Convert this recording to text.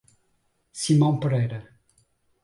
Simão Pereira